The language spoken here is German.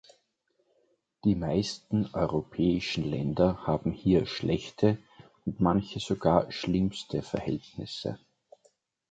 Die meisten europäischen Länder haben hier schlechte, und manche sogar schlimmste Verhältnisse.